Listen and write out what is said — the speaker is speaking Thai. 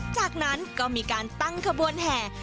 จากนั้นก็มีการตั้งขบวนแห่